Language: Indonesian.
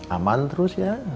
aman terus ya